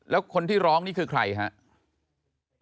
แล้วคนที่ร้องนี่คือใครครับ